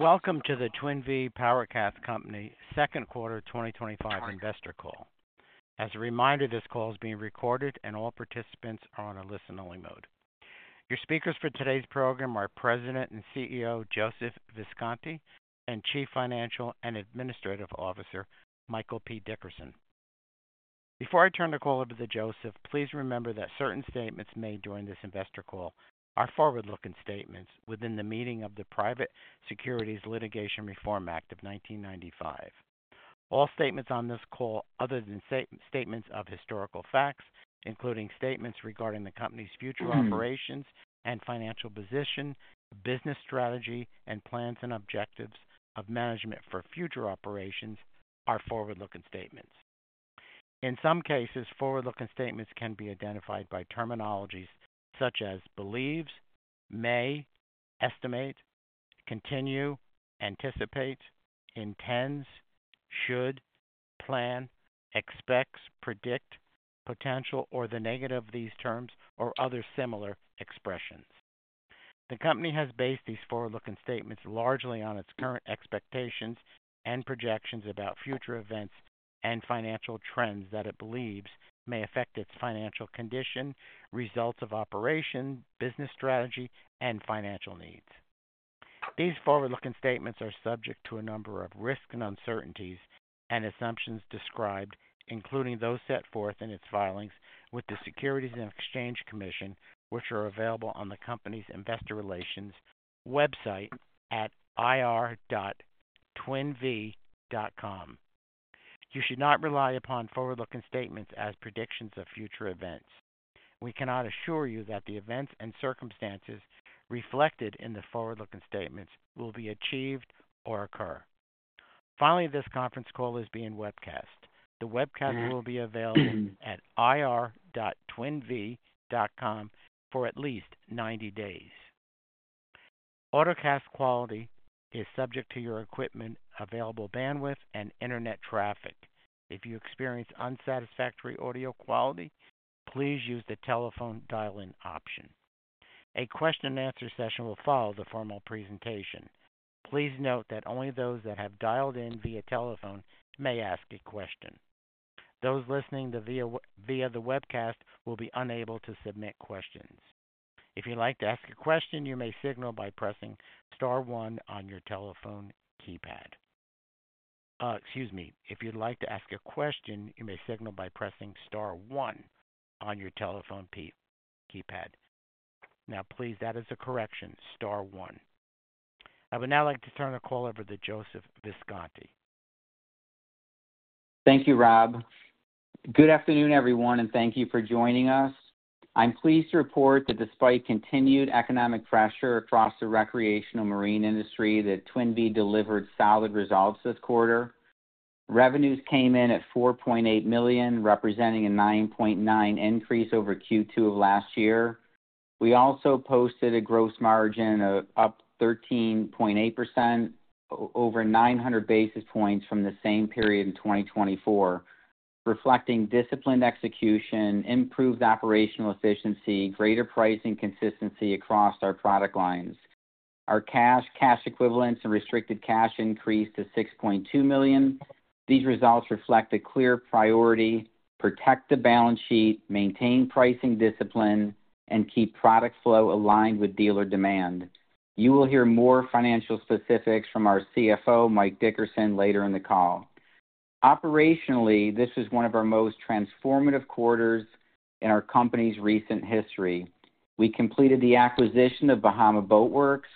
Welcome to the Twin Vee PowerCats Co. second quarter 2025 investor call. As a reminder, this call is being recorded, and all participants are on a listen-only mode. Your speakers for today's program are President and CEO Joseph Visconti and Chief Financial and Administrative Officer Michael P. Dickerson. Before I turn the call over to Joseph, please remember that certain statements made during this investor call are forward-looking statements within the meaning of the Private Securities Litigation Reform Act of 1995. All statements on this call, other than statements of historical facts, including statements regarding the company's future operations and financial position, business strategy, and plans and objectives of management for future operations, are forward-looking statements. In some cases, forward-looking statements can be identified by terminologies such as believes, may, estimate, continue, anticipate, intends, should, plan, expects, predict, potential, or the negative of these terms, or other similar expressions. The company has based these forward-looking statements largely on its current expectations and projections about future events and financial trends that it believes may affect its financial condition, results of operation, business strategy, and financial needs. These forward-looking statements are subject to a number of risks and uncertainties and assumptions described, including those set forth in its filings with the Securities and Exchange Commission, which are available on the company's investor relations website at ir.twinvee.com. You should not rely upon forward-looking statements as predictions of future events. We cannot assure you that the events and circumstances reflected in the forward-looking statements will be achieved or occur. Finally, this conference call is being webcast. The webcast will be available at ir.twinvee.com for at least 90 days. Audiocast quality is subject to your equipment, available bandwidth, and internet traffic. If you experience unsatisfactory audio quality, please use the telephone dial-in option. A question and answer session will follow the formal presentation. Please note that only those that have dialed in via telephone may ask a question. Those listening via the webcast will be unable to submit questions. If you'd like to ask a question, you may signal by pressing star one on your telephone keypad. If you'd like to ask a question, you may signal by pressing star one on your telephone keypad. Now, please, that is a correction, star one. I would now like to turn the call over to Joseph Visconti. Thank you, Rob. Good afternoon, everyone, and thank you for joining us. I'm pleased to report that despite continued economic pressure across the recreational marine industry, Twin Vee PowerCats Co. delivered solid results this quarter. Revenues came in at $4.8 million, representing a 9.9% increase over Q2 of last year. We also posted a gross margin of 13.8%, up over 900 basis points from the same period in 2024, reflecting disciplined execution, improved operational efficiency, and greater pricing consistency across our product lines. Our cash, cash equivalents, and restricted cash increased to $6.2 million. These results reflect a clear priority: protect the balance sheet, maintain pricing discipline, and keep product flow aligned with dealer demand. You will hear more financial specifics from our Chief Financial and Administrative Officer, Michael P. Dickerson, later in the call. Operationally, this was one of our most transformative quarters in our company's recent history. We completed the acquisition of Bahama Boat Works,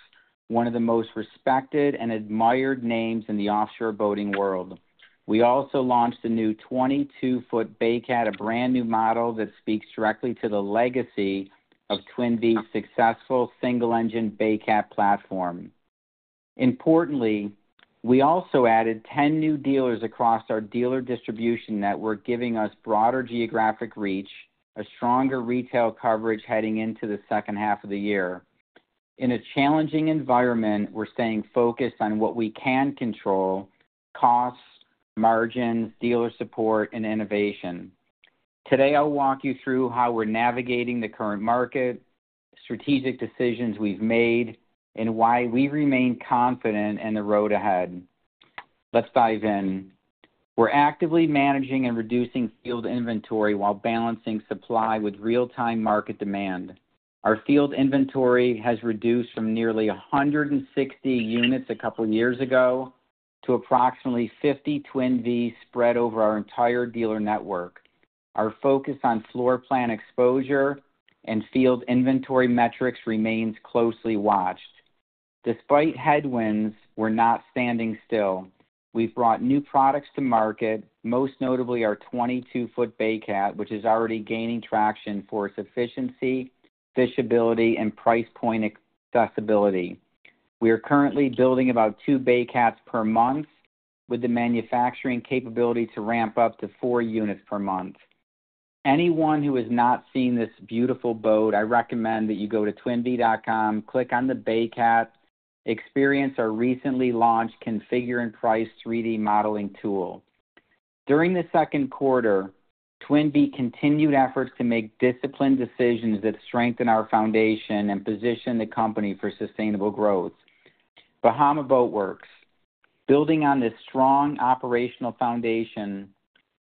one of the most respected and admired names in the offshore boating world. We also launched the new 22-foot BayCat, a brand new model that speaks directly to the legacy of Twin Vee's successful single-engine BayCat platform. Importantly, we also added 10 new dealers across our dealer distribution network, giving us broader geographic reach and stronger retail coverage heading into the second half of the year. In a challenging environment, we're staying focused on what we can control: costs, margins, dealer support, and innovation. Today, I'll walk you through how we're navigating the current market, strategic decisions we've made, and why we remain confident in the road ahead. Let's dive in. We're actively managing and reducing field inventory while balancing supply with real-time market demand. Our field inventory has reduced from nearly 160 units a couple of years ago to approximately 50 Twin Vee spread over our entire dealer network. Our focus on floor plan exposure and field inventory metrics remains closely watched. Despite headwinds, we're not standing still. We've brought new products to market, most notably our 22-foot BayCat, which is already gaining traction for its efficiency, fishability, and price point accessibility. We are currently building about two BayCats per month, with the manufacturing capability to ramp up to four units per month. Anyone who has not seen this beautiful boat, I recommend that you go to twinvee.com, click on the BayCat, and experience our recently launched configure and price 3D modeling tool. During the second quarter, Twin Vee continued efforts to make disciplined decisions that strengthen our foundation and position the company for sustainable growth. Bahama Boat Works, building on this strong operational foundation,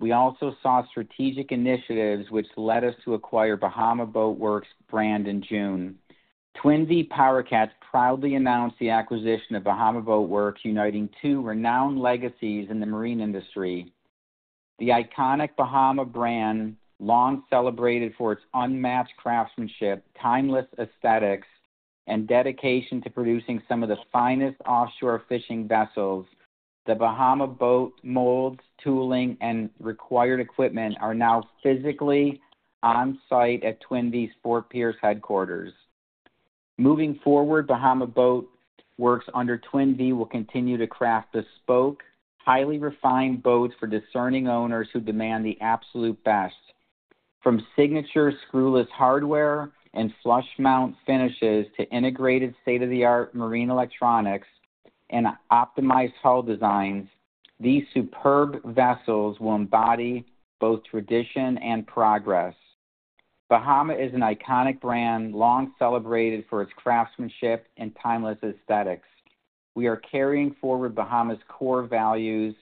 we also saw strategic initiatives which led us to acquire Bahama Boat Works brand in June. Twin Vee PowerCats proudly announced the acquisition of Bahama Boat Works, uniting two renowned legacies in the marine industry. The iconic Bahama brand, long celebrated for its unmatched craftsmanship, timeless aesthetics, and dedication to producing some of the finest offshore fishing vessels. The Bahama boat molds, tooling, and required equipment are now physically on site at Twin Vee's Fort Pierce headquarters. Moving forward, Bahama Boat Works under Twin Vee will continue to craft bespoke, highly refined boats for discerning owners who demand the absolute best. From signature screwless hardware and flush mount finishes to integrated state-of-the-art marine electronics and optimized hull designs, these superb vessels will embody both tradition and progress. Bahama is an iconic brand, long celebrated for its craftsmanship and timeless aesthetics. We are carrying forward Bahama's core values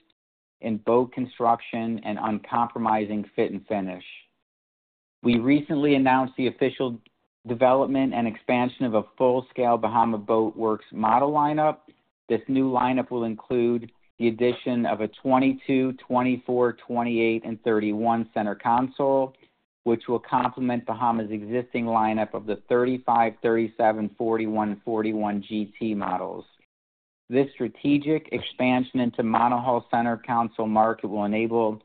in boat construction and uncompromising fit and finish. We recently announced the official development and expansion of a full-scale Bahama Boat Works model lineup. This new lineup will include the addition of a 22, 24, 28, and 31 center console, which will complement Bahama's existing lineup of the 35, 37, 41, and 41 GT models. This strategic expansion into the monohull center console market will enable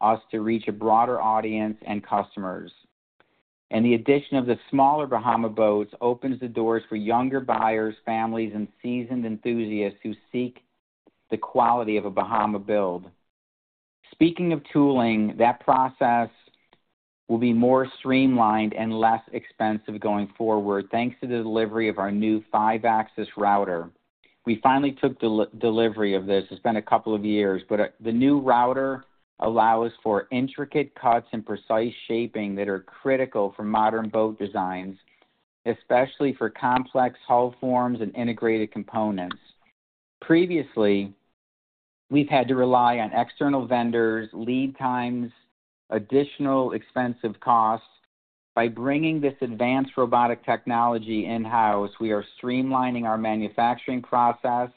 us to reach a broader audience and customers. The addition of the smaller Bahama boats opens the doors for younger buyers, families, and seasoned enthusiasts who seek the quality of a Bahama build. Speaking of tooling, that process will be more streamlined and less expensive going forward, thanks to the delivery of our new 5-axis router. We finally took the delivery of this. It's been a couple of years, but the new router allows for intricate cuts and precise shaping that are critical for modern boat designs, especially for complex hull forms and integrated components. Previously, we've had to rely on external vendors, lead times, and additional expensive costs. By bringing this advanced robotic technology in-house, we are streamlining our manufacturing process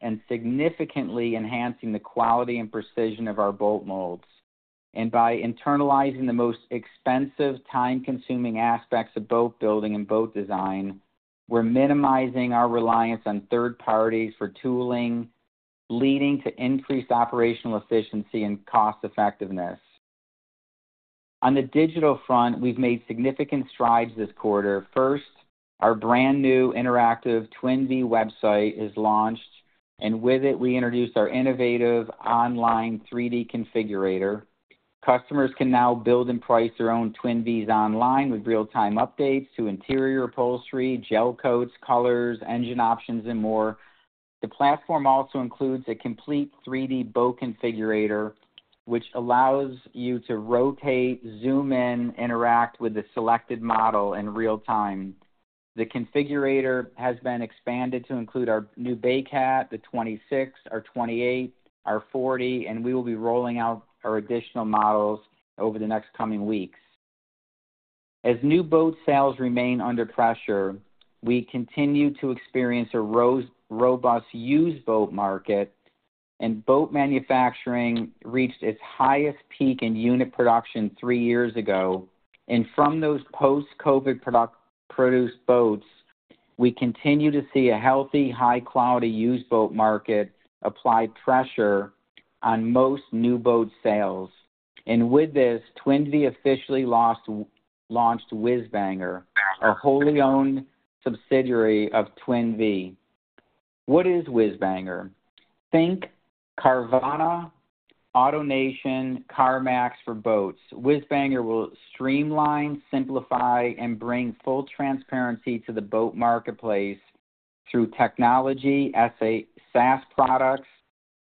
and significantly enhancing the quality and precision of our boat molds. By internalizing the most expensive, time-consuming aspects of boat building and boat design, we're minimizing our reliance on third parties for tooling, leading to increased operational efficiency and cost-effectiveness. On the digital front, we've made significant strides this quarter. First, our brand new interactive Twin Vee website is launched, and with it, we introduced our innovative online 3D configurator. Customers can now build and price their own Twin Vee PowerCats online with real-time updates to interior upholstery, gel coats, colors, engine options, and more. The platform also includes a complete 3D boat configurator, which allows you to rotate, zoom in, and interact with the selected model in real time. The configurator has been expanded to include our new 22-foot BayCat, the 26-foot GFX2, our 28-foot Dual Console GFX2, our 40-foot GFX2, and we will be rolling out our additional models over the coming weeks. As new boat sales remain under pressure, we continue to experience a robust used boat market, and boat manufacturing reached its highest peak in unit production three years ago. From those post-COVID produced boats, we continue to see a healthy, high-quality used boat market apply pressure on most new boat sales. With this, Twin Vee PowerCats Co. officially launched Wizbanger, our wholly owned subsidiary of Twin Vee PowerCats Co. What is Wizbanger? Think Carvana, AutoNation, CarMax for boats. Wizbanger will streamline, simplify, and bring full transparency to the boat marketplace through technology, SaaS products,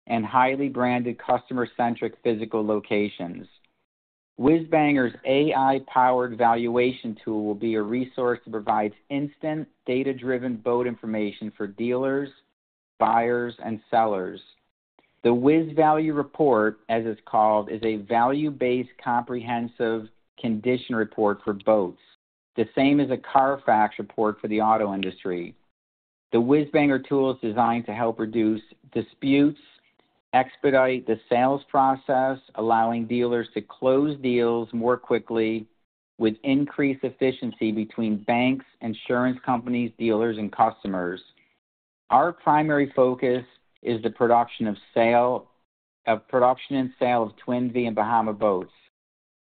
and highly branded customer-centric physical locations. Wizbanger's AI-powered valuation tool will be a resource that provides instant data-driven boat information for dealers, buyers, and sellers. The Wiz Value Report, as it's called, is a value-based, comprehensive condition report for boats, the same as a CARFAX report for the auto industry. The Wizbanger tool is designed to help reduce disputes, expedite the sales process, allowing dealers to close deals more quickly with increased efficiency between banks, insurance companies, dealers, and customers. Our primary focus is the production and sale of Twin Vee PowerCats and Bahama boats.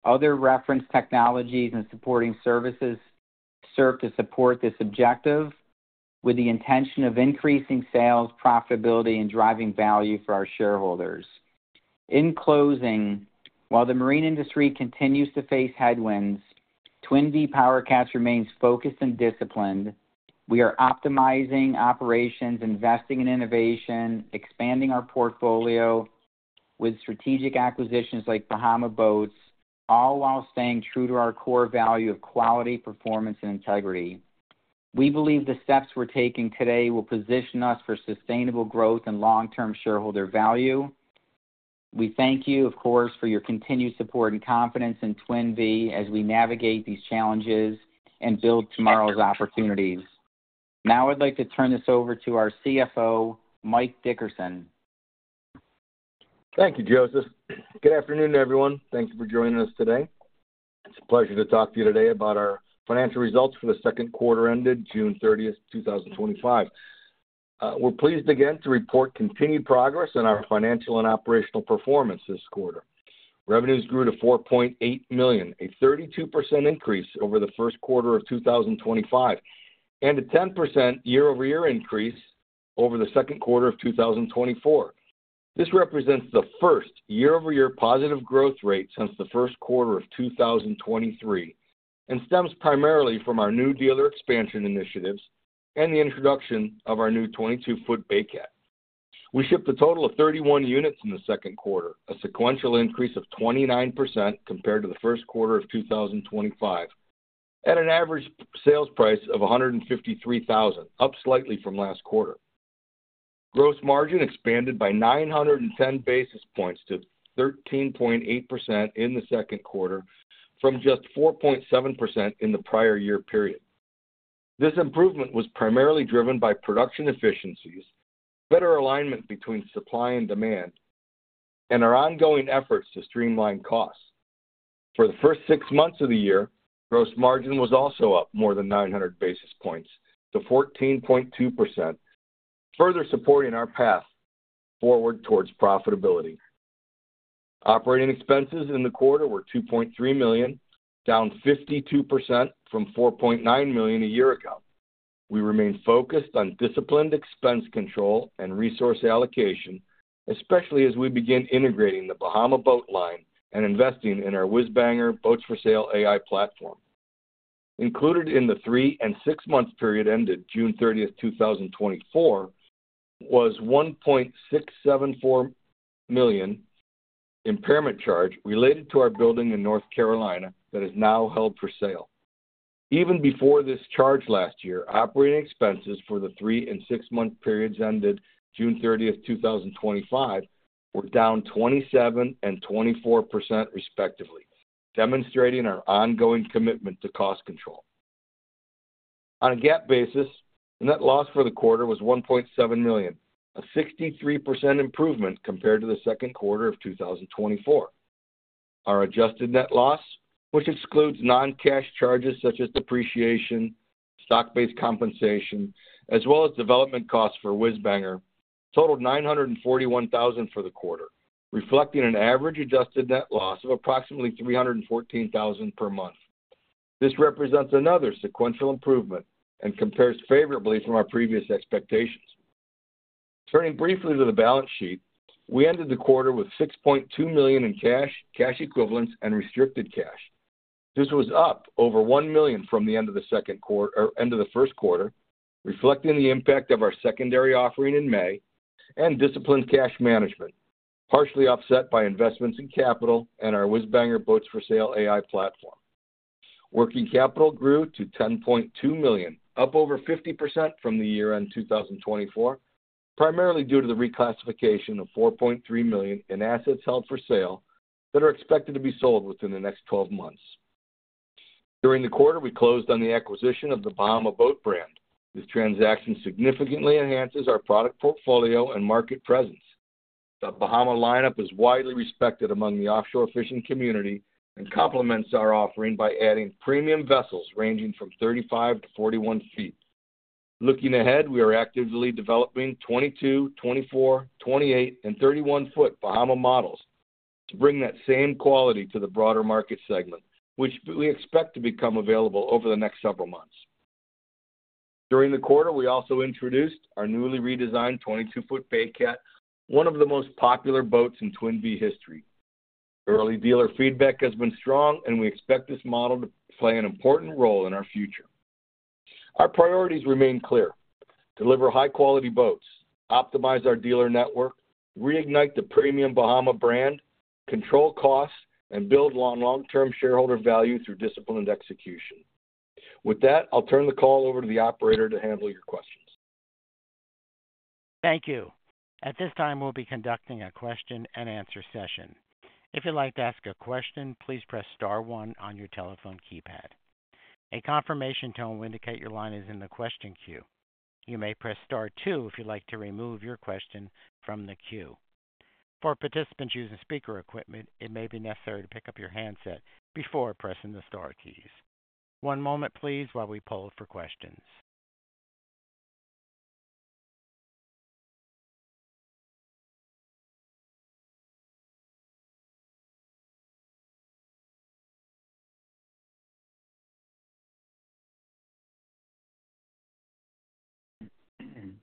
Other reference technologies and supporting services serve to support this objective with the intention of increasing sales profitability and driving value for our shareholders. In closing, while the marine industry continues to face headwinds, Twin Vee PowerCats remains focused and disciplined. We are optimizing operations, investing in innovation, and expanding our portfolio with strategic acquisitions like Bahama Boat Works, all while staying true to our core value of quality, performance, and integrity. We believe the steps we're taking today will position us for sustainable growth and long-term shareholder value. We thank you, of course, for your continued support and confidence in Twin Vee as we navigate these challenges and build tomorrow's opportunities. Now I'd like to turn this over to our Chief Financial and Administrative Officer, Michael P. Dickerson. Thank you, Joseph. Good afternoon, everyone. Thank you for joining us today. It's a pleasure to talk to you today about our financial results for the second quarter ended June 30, 2025. We're pleased again to report continued progress in our financial and operational performance this quarter. Revenues grew to $4.8 million, a 32% increase over the first quarter of 2025, and a 10% year-over-year increase over the second quarter of 2024. This represents the first year-over-year positive growth rate since the first quarter of 2023 and stems primarily from our new dealer expansion initiatives and the introduction of our new 22-foot BayCat. We shipped a total of 31 units in the second quarter, a sequential increase of 29% compared to the first quarter of 2025, at an average sales price of $153,000, up slightly from last quarter. Gross margin expanded by 910 basis points to 13.8% in the second quarter, from just 4.7% in the prior year period. This improvement was primarily driven by production efficiencies, better alignment between supply and demand, and our ongoing efforts to streamline costs. For the first six months of the year, gross margin was also up more than 900 basis points to 14.2%, further supporting our path forward towards profitability. Operating expenses in the quarter were $2.3 million, down 52% from $4.9 million a year ago. We remain focused on disciplined expense control and resource allocation, especially as we begin integrating the Bahama Boat Works line and investing in our Wizbanger Boats for Sale AI platform. Included in the three and six months period ended June 30, 2024, was a $1.674 million impairment charge related to our building in North Carolina that is now held for sale. Even before this charge last year, operating expenses for the three and six month periods ended June 30, 2025, were down 27% and 24% respectively, demonstrating our ongoing commitment to cost control. On a GAAP basis, the net loss for the quarter was $1.7 million, a 63% improvement compared to the second quarter of 2024. Our adjusted net loss, which excludes non-cash charges such as depreciation, stock-based compensation, as well as development costs for Wizbanger, totaled $941,000 for the quarter, reflecting an average adjusted net loss of approximately $314,000 per month. This represents another sequential improvement and compares favorably from our previous expectations. Turning briefly to the balance sheet, we ended the quarter with $6.2 million in cash, cash equivalents, and restricted cash. This was up over $1 million from the end of the second quarter or end of the first quarter, reflecting the impact of our secondary offering in May and disciplined cash management, partially offset by investments in capital and our Wizbanger AI-powered valuation tools platform. Working capital grew to $10.2 million, up over 50% from the year-end 2024, primarily due to the reclassification of $4.3 million in assets held for sale that are expected to be sold within the next 12 months. During the quarter, we closed on the acquisition of the Bahama Boat Works brand. This transaction significantly enhances our product portfolio and market presence. The Bahama lineup is widely respected among the offshore fishing community and complements our offering by adding premium vessels ranging from 35-41 feet. Looking ahead, we are actively developing center console models (22, 24, 28, and 31-foot) for Bahama to bring that same quality to the broader market segment, which we expect to become available over the next several months. During the quarter, we also introduced our newly redesigned 22-foot BayCat, one of the most popular boats in Twin Vee history. Early dealer feedback has been strong, and we expect this model to play an important role in our future. Our priorities remain clear: deliver high-quality boats, optimize our dealer network, reignite the premium Bahama brand, control costs, and build long-term shareholder value through disciplined execution. With that, I'll turn the call over to the operator to handle your questions. Thank you. At this time, we'll be conducting a question-and-answer session. If you'd like to ask a question, please press star one on your telephone keypad. A confirmation tone will indicate your line is in the question queue. You may press star two if you'd like to remove your question from the queue. For participants using speaker equipment, it may be necessary to pick up your handset before pressing the star keys. One moment, please, while we poll for questions.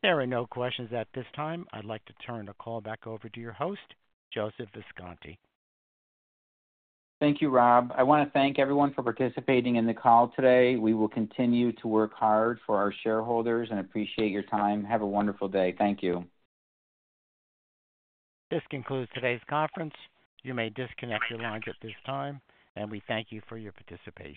There are no questions at this time. I'd like to turn the call back over to your host, Joseph Visconti. Thank you, Rob. I want to thank everyone for participating in the call today. We will continue to work hard for our shareholders and appreciate your time. Have a wonderful day. Thank you. This concludes today's conference. You may disconnect your lines at this time, and we thank you for your participation.